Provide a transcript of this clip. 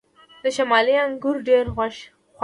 د شمالی انګور ډیر خوږ دي.